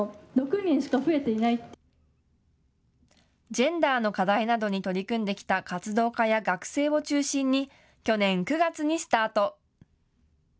ジェンダーの課題などに取り組んできた活動家や学生を中心に去年９月にスタート。